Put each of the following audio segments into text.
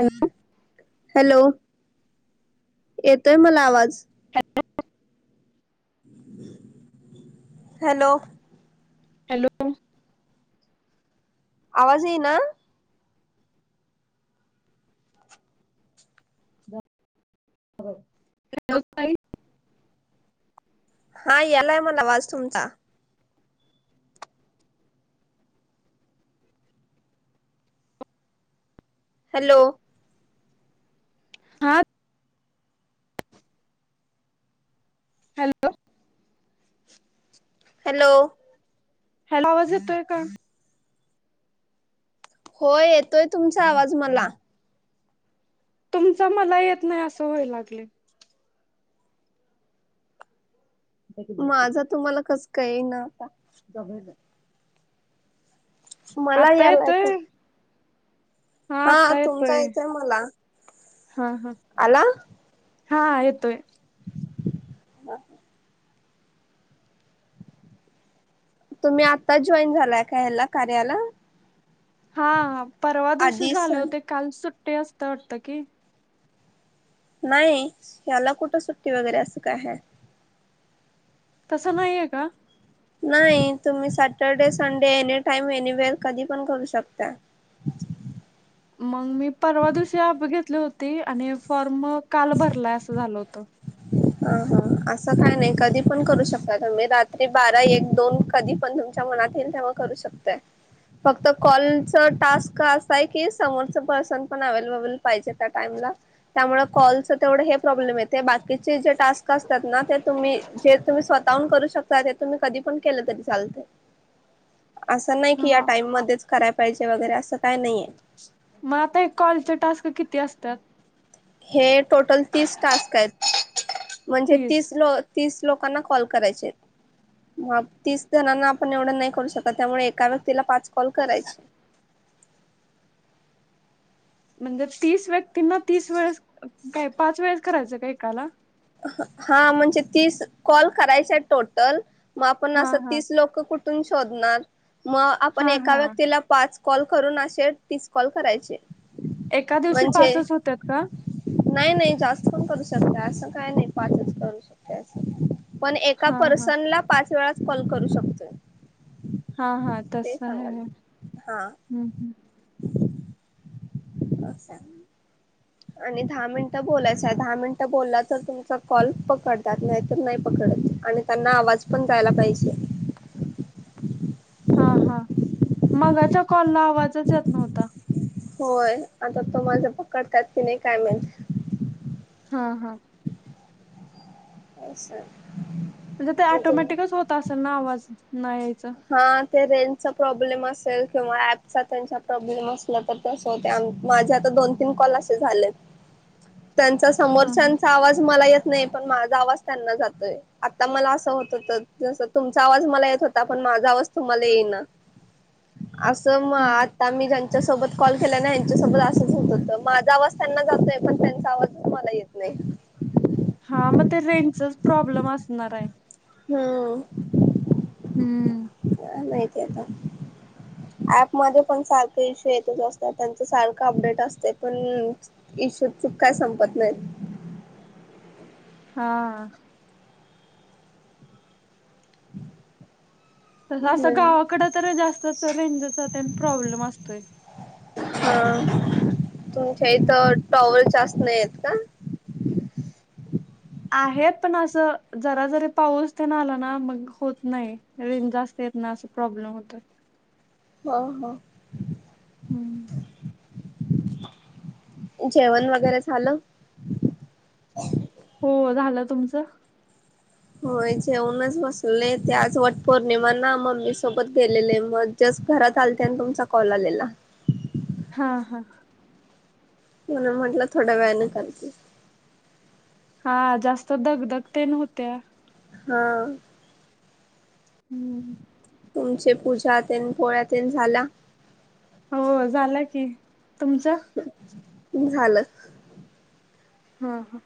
Hello hello येतोय मला आवाज हॅलो हॅलो [unintelligible] आवाज ये ना खबर [inaudible] हॅलो ताई हा यालाय मला आवाज तुमचा हॅलो हा हॅलो [unintelligible] हॅलो हेलो आवाज येतोय का? हो येतोय तुमचा आवाज मला... तुमच मला येत नाही असं होय लागलय माझा तुम्हाला कस का येई ना आता मला आता यायला तर येतोय हा आता येतोय हा हा आला हा येतोय [inaudible] तुम्ही आत्ता जॉईन झालाय का ह्याला कार्याला? हा परवा दिवशी आधीच झाले होते काल सुट्टी असत वाटत की नाही, याला कुठ सुट्टी वगैरे असं काय हाय तसं नाहीये का! नाही तुम्ही Saturday Sunday any time anywhere कधी पण करू शकता. मंग मी परवा दिवशी ऍप घेतले ते आणि फॉर्म काल भरलाय असं झालं होत ह ह असं काय नाही कधी पण करू शकता तुम्ही रात्री बारा एक दोन कधी पण तुमच्या मनात येईल तेव्हा करू शकताय फक्त कॉलच टास्क असा आहे की समोरच पर्सन पण अवलेबल पाहिजे त्या टाइमला. त्यामुळे कॉलच तेवढं हे प्रॉब्लेम येते बाकी जी चे टास्क असतात ना ते तुम्ही जे तुम्ही स्वतः [unintelligible] करू शकता त्यातून मी कधी पण केलं तरी चालत असं नाही की या हा टाइम मध्येच कराय पाहिजे वगैरे असं काय नाहीये मग आता एक कॉलचे टास्क किती असतात? हे टोटल तीस टास्क आहेत. म्हणजे तीस लो तीस लोकांना कॉल करायचेत! मग तीस जणांना आपण एवढं नाही करू शकत त्यामुळे एका व्यक्तीला पाच कॉल करायचे. [inaudible] म्हणजे तीस व्यक्तींना तीस वेळेस काय पाच वेळेस करायचं का एकाला? हा म्हणजे तीस कॉल करायच आहे टोटल मग आपण हा असं हा तीस लोक कुठ कुठून शोधणार मग हा आपण एका हा व्यक्तीला पाच कॉल करून असे तीस कॉल करायचे. एका दिवशी म्हणजे पाचच होतात का नाही नाही जास्त पण करू शकते असं काय नाही पाचच करू शकते असं पण एका हा हा पर्सन ला पाच वेळा कॉल करू शकतोय हा हा तस ते आहे सांगाले. हा हम् हम्. अशां आणि दहा मिनिटं बोलायच आहे दहा मिनटं बोलला तर तुमचा कॉल पकडतात नाहीतर नाही पकडत आणि त्यांना आवाज पण जायला पाहिजे? हा हा मगाच्या कॉलला आवाजच येत नव्हता! होय आता तो माझा पकडतात की नाही काय माहित हा हा.. अच्छा म्हणजे ते ऑटोमॅटिकच होत असेल ना आवाज नाही हं! ते रेंजचा प्रॉब्लेम असेल किंवा ऍपचा त्यांचा प्रॉब्लेम असला तर तस होतय माझ्या तर दोन तीन कॉल असे झालेत. त्यांचा हा हा समोरच्याचा आवाज मला येत नाही पण माझा आवाज त्यांना जातोय आता मला असं होत होत जस तुमचा आवाज मला येत होत पण माझा आवाज तुम्हाला येईना असं आत्ता म हा आत्ता मी ज्यांच्या सोबत कॉल केलाय ना ह्यांच्यासोबत असंच होत होत माझा आवाज त्यांना जातोय पण त्यांचा आवाजच मला येत नाही हा मग ते रेंजचाच प्रॉब्लेम असणार आहे हम्म हम्म ते आता ऍप मध्ये पण सारखं इशू येतच असतात त्यांच सारखं अपडेट असतंय पण ईशूच काय संपत नाहीत हा तस असं नाहीत गावाकडं तर जास्तच रेंजचा तेन प्रॉब्लेम असतोय हा तुमच्या हम्म इथं टॉवर जास्त नाहीयेत का आहेत पण असं जरा जरी पाऊस तेन आला ना मग होत नाही रेंज जास्त येत नाही अस प्रॉब्लेम होतोय हा हा हम्म जेवण वगैरे झालं हो झालं तुमचं होय जेवूनच बसलोय ते आज वट पौर्णिमा ना मम्मी सोबत गेलेले मग घरात आलते आणि तुमचा कॉल आलेला हा हा म्हणून म्हटलं थोड्या वेळाने करते हा जास्त दगदग तेन होत्या हा हम्म तुमचे पूजा तेन पोळ्या तेन झाल्या हो झाल्या की तुमच्या झालं हा हा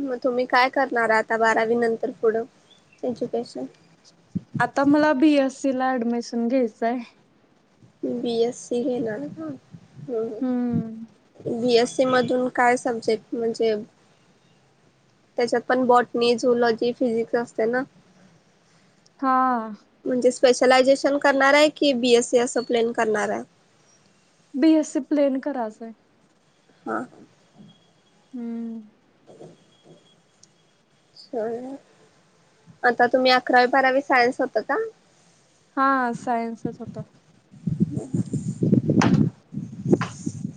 मग तुम्ही काय करणार आता बारावी नंतर पुढं एज्युकेशन आता मला बीएससी ला ऍडमिशन घ्यायचंय बीएससी घेणार हा हा हम्म. बीएसी ते मधून काय सब्जेक्ट म्हणजे. त्याच्यात पण बॉटनी, झुलॉजी, फिजिक्स असतंय ना. हा. म्हणजे स्पेशलायझेशन करणार आहे की बीएससी असं प्लेन करणार आहे. बीएससी प्लेन करायचंय. हा. हम्म. [inaudible] आता तुम्ही अकरावी, बारावी सायन्स होत का? हा सायन्सच होत. हम्म.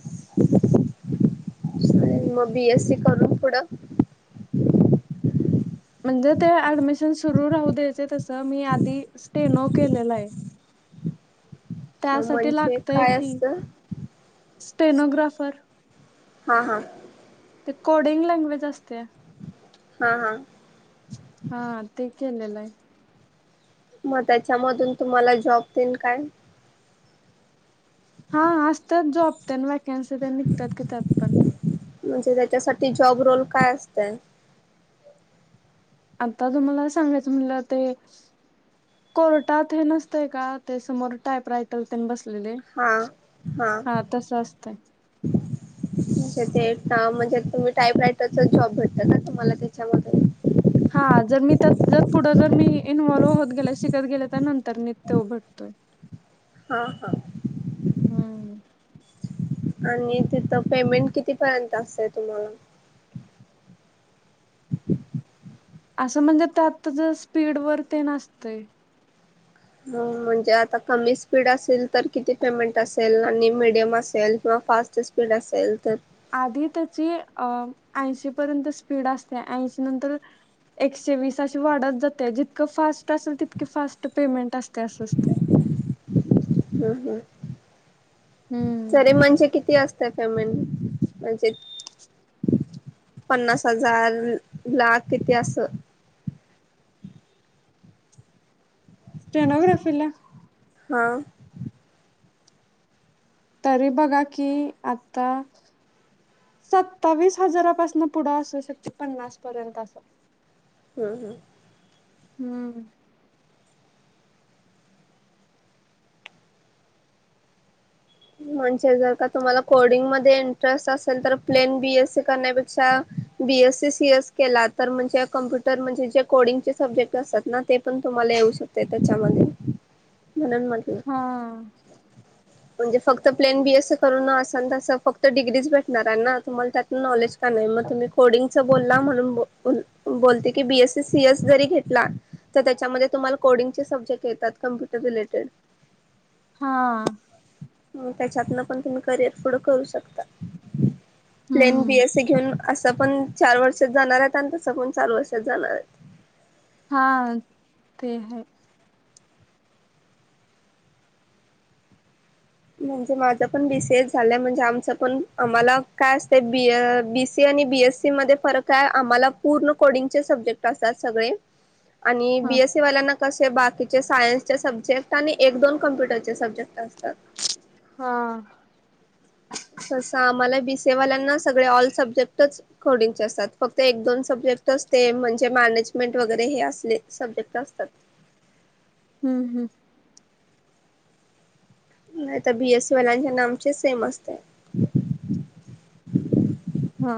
[inaudible] आणि मग बी एस सी करून पुढं. म्हणजे ते ऍडमिशन सुरू राहू द्यायचंय तसं मी आधी स्टेनो केलेलं आहे. अच्छा त्यासाठी म्हणजे लागतय काय की असतं स्टेनोग्राफर हा हा. ते कोडिंग लँग्वेज असते. हा हा. केलेलाय. मग त्याच्यामधून तुम्हाला जॉब देईन काय? हा असतात जॉब त्या वॅकन्सी ते निघतात की त्यात पण. म्हणजे त्याच्यासाठी जॉब रोल काय असतय.. आता तुम्हाला सांगायचं म्हलं ते. कोर्टात हे नसतय का ते समोर टायप राय प बस हां हां हा तस असतंय. म्हणजे म्हणजे तुम्ही टाईप रायटरचा जॉब भेटता का तुम्हाला त्याच्यामध्ये. हा जर मी त्यात जर पुढं जर मी इन्व्हल्व्ह होत गे शिकत गेले त्या नंतर मी ते उघडतोय. [inaudible] हा हा. हम्म. आणि तिथं पेमेंट कितीपर्यंत असते तुम्हाला? असं म्हणजे त्यात ज स्पीड वर ते नसतय. म्हणजे आता कमी स्पीड असेल तर किती पेमेंट असेल आणि मिीडियम असेल कि? फास्ट स्पीड असेल तर. आधी त्याची अ ऐंशी पर्यंत स्पीड असते ऐंशी नंतर एकशे वीस अशी वाढत जाते जितकं फास्ट असेल तितक फास्ट पेमेंट असते अस असते. [inaudible] हम्म, हम्म हम्म तरी म्हणजे किती असते? त का म्हण म्हणजे पन्नास हजार लाख किती अस स्टोनोग्राफिला हा तरी बघा कि आता सत्तावीस हजारापासन पुढं असो शश पन्नास पर्यंत अस हम हम हम्म म्हणजे जर का तुम्हाला कोडिंग मध्ये इंटरेस्ट असेल तर प्लेन बीएस सी करण्यापेक्षा बीएसी सी एस केला तर म्हणजे कम्प्युटर म्हणजे जे कोडिंगचे सब्जेक्ट असतात ना ते पण तुम्हालायेतच्याममध्ये [inaudible] हा म्हणजे फक्त प्लेन बीएस करून असेल फक्त डिग्रीज भेटणार ना तुम्हाला त्यातन नॉलेज का नाही तुम्ही कोंडाचा. त्याच्या तडंग सब्जेट कप्युर रिलेटे हा त्याच्यातन पण तुम्ही करिअर पुढं करू शकता प्लन बी हम्म अस घेऊन असं पण चार वर्षात जाणार आहेत आणि तसं पण चार वर्षात जाणार आहे हा ते है म्हणजे माझ पण बीसीए झालं म्हणजे आमच पण आमला काय असती बीसी बीए पड सक् आणि हा बीएस सी वाल्यांना कसे बाकीचे सायन्सचे सब्जेक्ट आणि एक दोन कम्प्युटरचे सब्जेक्ट असतात. हा तसं आम्हाला बी स ए वाल्यांना सगळे ऑल सब्जेक्टच खोडचे असतात फक्त एक दोन सब्जेक्ट म्हणजे मॅनेजमेंट वगैरे हे अस सब्जेक्ट असतात हम्म हम्म नाही तर बीएससीवाल्यांच्या नामचे सेम असते हा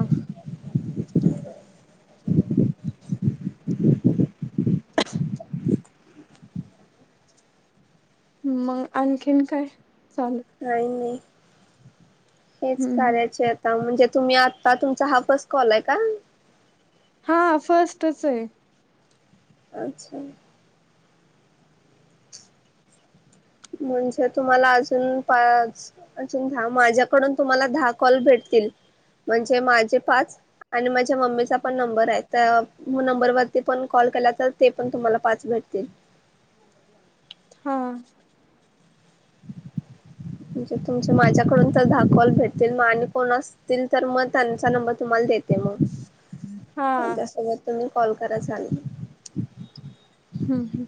मग आणखीन काय. चालेल नाही नाही. हेच हम्म हम्म करायचे आता म्हणजे तुम्ही आता तुमचा हापस कॉल आहे का? हा फर्स्टच आहे. अच्छा. म्हणजे तुम्हाला अजून पाच अजून दहा माझ्याकडून तुम्हाला दहा कॉल भेट तील. म्हणजे माझे पाच आणि माझ्या म्मीचा पण नंबर आहे नंबरती पण कॉल ते पण तुम्हाला पाच भटतील. [inaudible] हां. [inaudible] म्हणजे तुम माझ्याकडून तर दहा कॉल भेटतील आणि कोण असतील तर मग त्यांचा नंबर तुम्हाला देते मग. हा त्यासोबत तुम्ही कॉल करा चालेल. हम्म हम्म.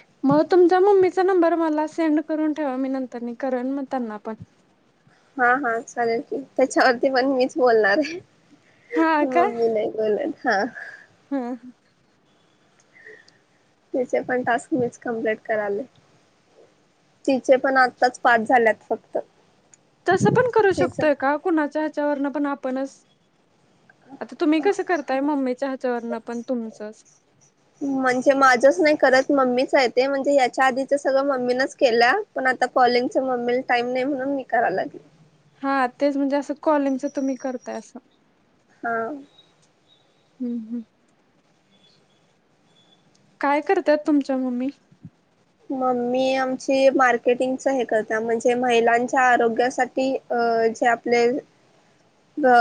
ह [inaudible] मग तुमचा मम्मीचा नंबर मला सेंड करून ठेवा मी नंतर करन मग त्यांना पण. हा हा चालेल की, त्याच्यावरती पण मीच बोलणारे. मम्मी नाही बोलन हा. हम. त्याचे पण टास्क मीच कमप्लीट कराले. तीचे पण आत्ताच पास झाल्यात फक्त. तसं पण करू तिच शकतोय का? कुणाच्या ह्याच्यावरन पण आपणच आता तुम्ही कसं करताय, मम्मीच्या हच्यावरण पण तुमचंच म्हणजे माझच नाही करत मम्मीचयेत. म्हणजे याच्या आधीच सगळं मम्मीनच केलं पण आता कॉलिंग मम्मीला टाइम नाही म्हणून मी कराय लागली. हा तेच म्हणजे असं कॉलिंगच तुम्ही करताय असं. हा. हम्म हम्म. काय करतयात तुमच्या मम्मी. मम्मी आमची मार्केटिंगच हे करता म्हणजे महिलांच्या आरोग्यासाठी अ जे आपले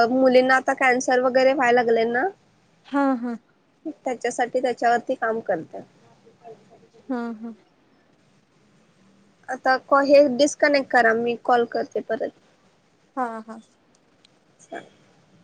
मुलींना आता कॅन्सर वगैरे व्हायला लागले ना हा हा. त्यासाठी त्याच्यावरती काम करते. ह ह. आता हे डिस्कनेक्ट करा मी कॉल करते परत. हा हा. हा [inaudible]